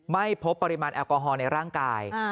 ไม่พบปริมาณแอลกอฮอลในร่างกาย